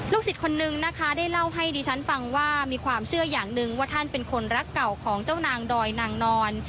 ศิษย์คนนึงนะคะได้เล่าให้ดิฉันฟังว่ามีความเชื่ออย่างหนึ่งว่าท่านเป็นคนรักเก่าของเจ้านางดอยนางนอน